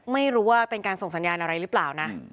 ไม่รู้ว่าเป็นการส่งสัญญาณอะไรหรือเปล่านะ